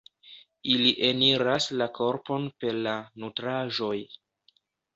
Ili eniras la korpon per la nutraĵoj.